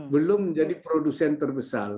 belum menjadi produsen terbesar